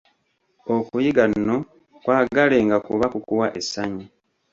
Okuyiga nno kwagalenga kuba kukuwa essanyu.